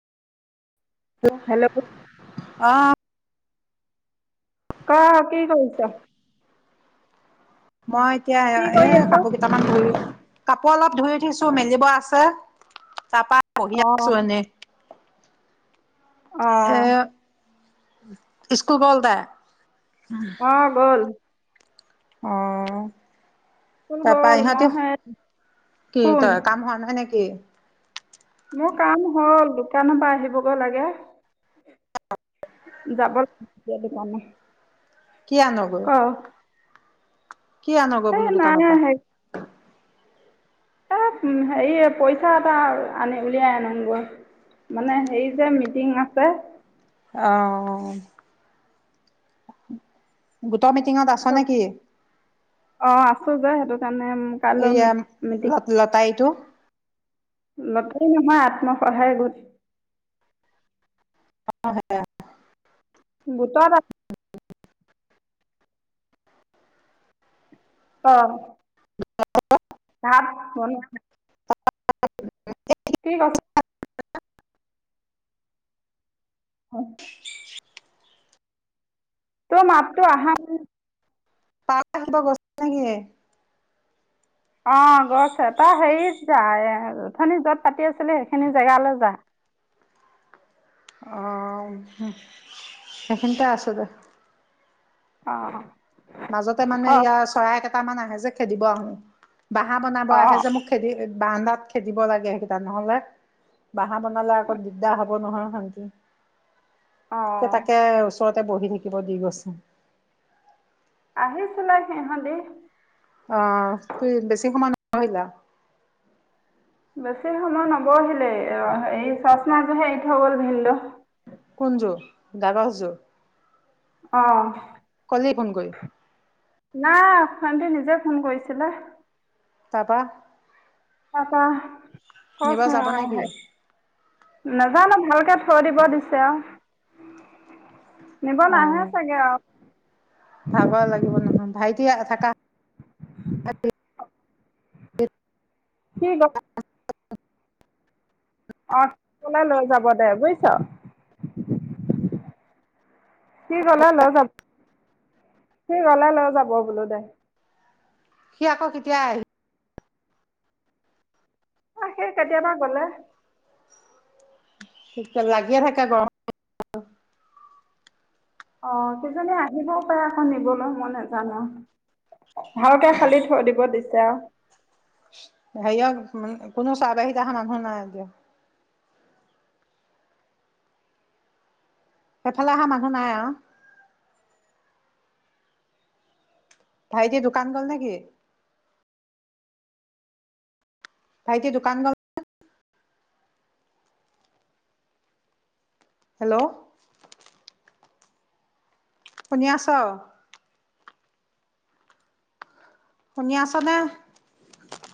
Hello! Hello! অঁ! ক কি কৰিছ? মই এতিয়া কি কৰি এ আছ কাপোৰ কেইটা - কেটামান ধুই কাপোৰ অলপ ধুই উঠিছোঁ মেলিব আছে তাৰপা- বহি অ আছোঁ এনেই। অ এ স্কুল গ'ল তাই - অঁ গ'ল। অঁহহহ- স্কুল তাৰপা গ'ল মই ইহঁতে সেই কি কোন তই কাম হোৱা নহয় নে কি? মোৰ কাম হ'ল দোকানৰ পৰা আহিবগৈ লাগে। যাব লাগে দূকানত - কি আনো- ক- কি আনগৈ এই বোলো দোকানৰ নাই পৰা? হে এ হেৰি পইচা এটা আনি উলিয়াই আনো গৈ। মানে হেৰি যে মিটিং আছে। অঁ হহহ গোটৰ মিটিঙত আছ নেকি? অঁ আছো যে সেইটো কাৰণে মোক। এইয়া ল লতাইটো। লতাই নহয় আত্মসহায় গোট। অ হয়। গোটত। অ। তাত বন। ঠিক আছে। হয়। তোৰ মাত টো আহা নায়? পাত আনিব গৈছা নেকি। অ গছ তই হেৰিত যা এ ৰথনী যত পাতি আছিলো সেইখিনি জেগালৈ যা। অ সেইখিনতে আছো দে। অ। মাজতে মানে অ ইয়াৰ চৰাই কেইটামান আহে যে খেদিব বাঁহা বনাব অ আহে যে মোক। খেদি বান্দাত খেদিব লাগে সেইকেইটা নহলে বাহা বনালে আকৌ দিগদাৰ হ'ব। নহ অ শান্তি তাকে ওচৰতে বহি থাকিব দি গৈছে। আহিছিলা সিহঁতি। অ কি বেছি সময় নপহিলা। বেছি সময় নবহিলে এই চচ মাছহে এৰি থৈ গল ভন্দ। কোন যোগ? দ্বাগশ যোগ। অ। ক'লে ফন কৰি। নাই শানন্তি নিজে ফোন কৰিছিলে তাপা। আটা কচ নিব ম যাব আহ নেকি? নাজানো ভালকে থৈ দিব দিছে আৰু নিব নাহে চাগে আৰু ভাব লাগিব নহয় ভাইটি থকা কি? অ থাকিলে লৈ যাব দে বুইছ। কি কলে লৈ যাব কি গলে লৈ যাব বোলো দে। সি আকৌ কেতিয়াই। অ সেই কেতিয়াবা গ'লে। লাগিয়ে থাকে গৰ। অ কিইজনী আহিবও পাৰে আকৌ নিবলৈ মই নাজানো। ভালকে খালি থৈ দিব দিছে আ। হাইও কোনো চ আহ য হাৰ ধুনাই দিয়া। সফালে অহা মানুহ নাই আও। ভাইটি দোকান গ'ল নেকি? ভাইটি দোকান গ'ল। হেল্ল'। শুনি আছ। শুনি আছনে?